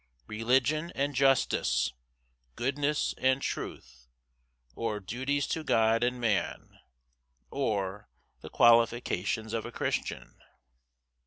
Religion and justice, goodness and truth; or, Duties to God and man; or, The qualifications of a Christian.